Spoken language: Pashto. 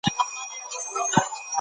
زده کړه هېڅکله په ټپه نه دریږي.